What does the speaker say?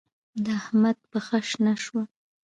د احمد پښه شنه شوه.